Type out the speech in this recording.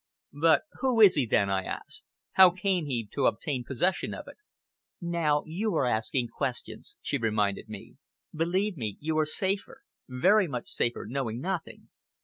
"But who is he then?" I asked. "How came he to obtain possession of it?" "Now you are asking questions," she reminded me. "Believe me, you are safer, very much safer knowing nothing.